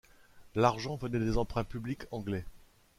L'argent venait des emprunts publics anglais.